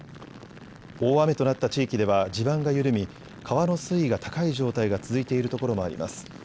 大雨となった地域では地盤が緩み、川の水位が高い状態が続いている所もあります。